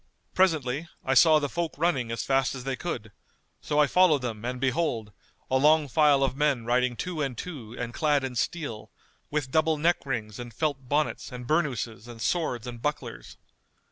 Presently, I saw the folk running as fast as they could; so I followed them and behold, a long file of men riding two and two and clad in steel, with double neck rings and felt bonnets and burnouses and swords and bucklers.